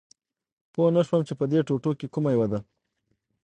پوه نه شوم چې په دې ټوټو کې کومه یوه ده